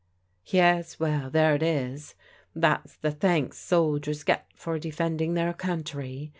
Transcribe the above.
" Yes. Well, there it is. That's the thanks soldiers get for defending their country.